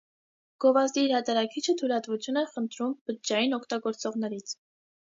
Գովազդի հրատարակիչը թույլտվություն է խնդրում բջջային օգտագործողներից։